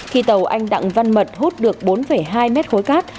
khi tàu anh đặng văn mật hút được bốn hai mét khối cát